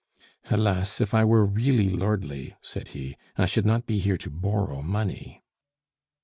"Alas! if I were really lordly," said he, "I should not be here to borrow money."